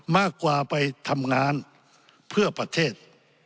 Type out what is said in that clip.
มากกว่าไปทำงานเพื่อประเทศ